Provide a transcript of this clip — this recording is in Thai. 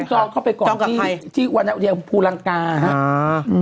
ต้องจองเข้าไปก่อนที่จองกับใครที่วันอาทิตย์ภูรังกาฮะอ่า